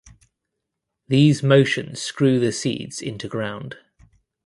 These motions screw the seeds into ground.